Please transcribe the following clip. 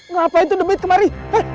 ngapain tuh debit kemari